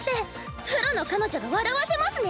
プロの彼女が笑わせますね。